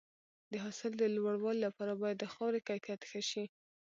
د حاصل د لوړوالي لپاره باید د خاورې کیفیت ښه شي.